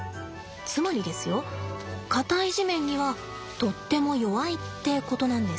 つまりですよ硬い地面にはとっても弱いってことなんです。